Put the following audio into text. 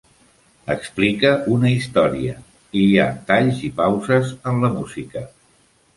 Explica una història, i hi ha talls i pauses en la música.